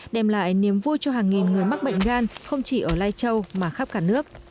đem lại niềm vui cho hàng nghìn người mắc bệnh gan không chỉ ở lai châu mà khắp cả nước